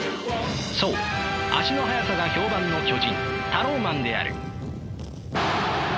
そう足の速さが評判の巨人タローマンである。